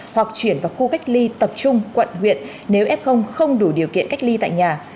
hoặc chuyển vào khu cách ly tập trung quận huyện nếu f không đủ điều kiện cách ly tại nhà